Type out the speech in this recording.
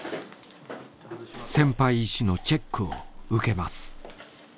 先輩医師のチェックを受けます。